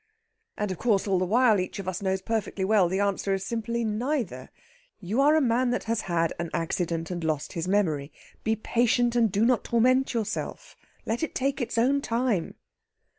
"And of course all the while each of us knows perfectly well the answer is simply 'Neither.' You are a man that has had an accident, and lost his memory. Be patient, and do not torment yourself. Let it take its own time."